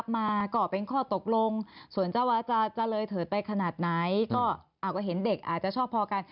ไม่เป็นหลุดในชั้นศาลเหรอคะ